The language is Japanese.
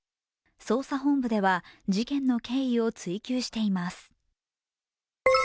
捜査本部では事件の経緯を追及しています。